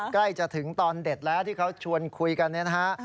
ใกล้จะถึงตอนเด็ดแล้วที่เขาชวนคุยกันเนี่ยนะฮะ